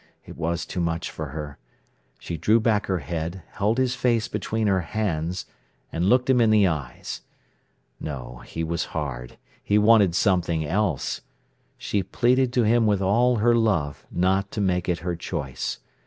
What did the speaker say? It was too much for her. She drew back her head, held his face between her hands, and looked him in the eyes. No, he was hard. He wanted something else. She pleaded to him with all her love not to make it her choice.